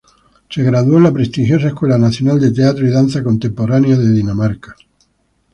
Se graduó en la prestigiosa Escuela Nacional de Teatro y Danza Contemporánea de Dinamarca.